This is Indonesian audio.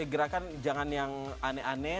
gerakan jangan yang aneh aneh